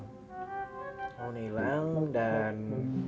teleponnya hilang dan